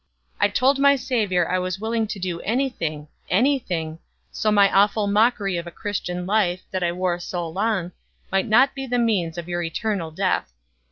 I told my Savior I was willing to do any thing, any thing, so my awful mockery of a Christian life, that I wore so long, might not be the means of your eternal death.